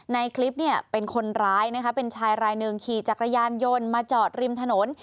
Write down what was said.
ในคลิปเนี่ยเป็นคนร้ายนะคะเป็นชายรายหนึ่งขี่จักรยานยนต์มาจอดริมถนน